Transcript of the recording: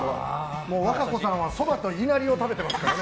和歌子さんは、そばといなりを食べてますからね。